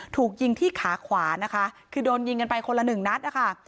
ถูกยิงที่ขาขวานะคะคือโดนยิงกันไปคนละหนึ่งนัดนะคะ